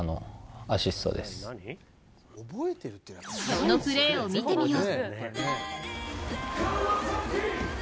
そのプレーを見てみよう。